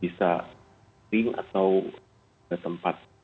bisa sing atau tidak tempat